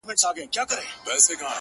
د قاف د شاپيرو اچيل دې غاړه کي زنگيږي!!